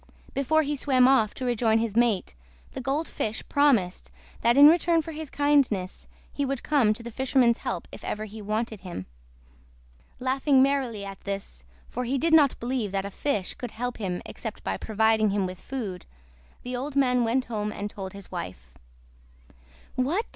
Before he swam off to rejoin his mate, the Gold Fish promised that in return for his kindness he would come to the fisherman's help if ever he wanted him. Laughing merrily at this, for he did not believe that a fish could help him except by providing him with food, the old man went home and told his wife. "What!"